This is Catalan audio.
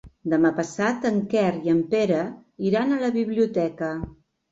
Demà passat en Quer i en Pere iran a la biblioteca.